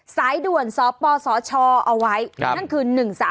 สายด่วนสปสชเอาไว้นั่นคือ๑๓